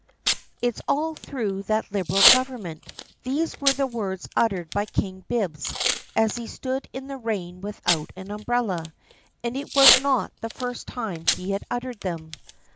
"It's all through that Liberal Government." These were the words uttered by King Bibbs as he stood in the rain without an umbrella; and it was not the first time he had uttered them.